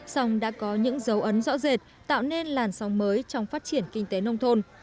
song đã có những dấu ấn rõ rệt tạo nên làn sóng mới trong phát triển kinh tế nông thôn